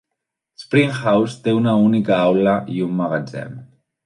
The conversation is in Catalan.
Springhouse té una única aula i un magatzem.